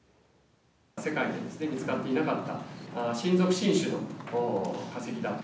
世界で見つかっていなかった新属、新種の化石だった。